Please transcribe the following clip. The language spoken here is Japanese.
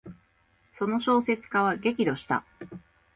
その小説家は激怒した。